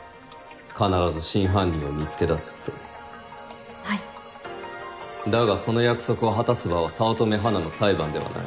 必ず真犯人はいだがその約束を果たす場は早乙女花の裁判ではない。